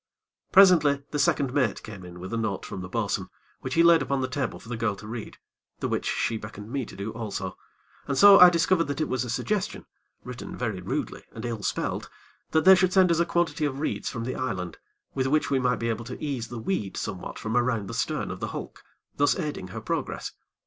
Presently, the second mate came in with a note from the bo'sun, which he laid upon the table for the girl to read, the which she beckoned me to do also, and so I discovered that it was a suggestion, written very rudely and ill spelt, that they should send us a quantity of reeds from the island, with which we might be able to ease the weed somewhat from around the stern of the hulk, thus aiding her progress.